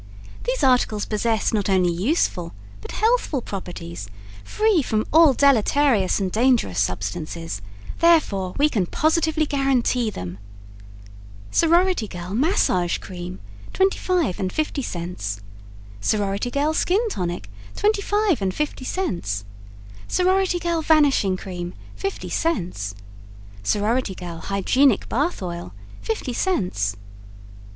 These articles possess not only useful, but healthful properties, free from all deleterious and dangerous substances, therefore, we can positively guarantee them. Sorority Girl Massage Cream 25 and 50 cts. Sorority Girl Skin Tonic 25 and 50 cts. Sorority Girl Vanishing Cream 50 cts. Sorority Girl Hygienic Bath Oil 50 cts.